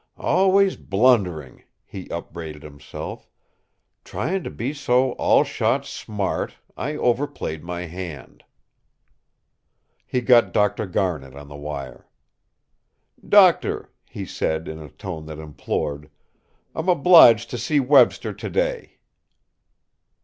"Always blundering!" he upbraided himself. "Trying to be so all shot smart, I overplayed my hand." He got Dr. Garnet on the wire. "Doctor," he said, in a tone that implored, "I'm obliged to see Webster today."